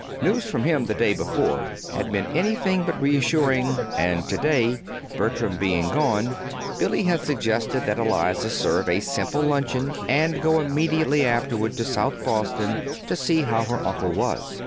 News from him the day before had been anything but reassuring, and to day, Bertram being gone, Billy had suggested that Eliza serve a simple luncheon and go immediately afterward to South Boston to see how her uncle was.